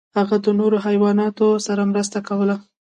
هغه د نورو حیواناتو سره مرسته کوله.